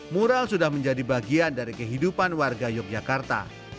mural sudah menjadi bagian dari kehidupan warga yogyakarta